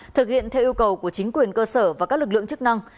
thực hiện theo yêu cầu của chính quyền cơ sở và các lực lượng chức năng